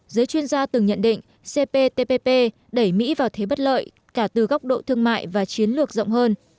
giới chuyên gia từng nhận định cptpp đẩy mỹ vào thế bất lợi cả từ góc độ thương mại và chiến lược rộng hơn